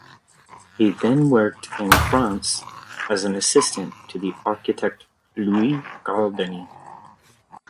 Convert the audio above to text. He then worked in France as an assistant to the architect Louis Cordonnier.